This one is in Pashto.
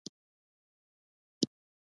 د شپې ستوري لیدل ذهن ته ارامي ورکوي